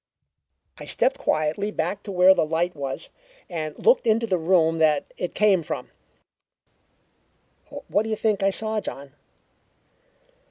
"I stepped quietly back to where the light was, and looked into the room that it came from. What do you think I saw, John?